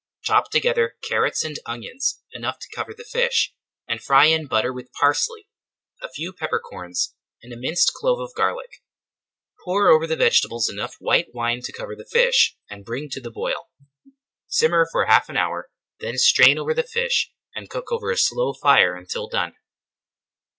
Chop together carrots and onions, enough to cover the fish, and fry in butter with parsley, a few peppercorns, and a minced clove of garlic. Pour over the vegetables enough white wine to cover the fish, and bring to the boil. Simmer for half an hour, then strain over the fish and cook over a slow fire until done.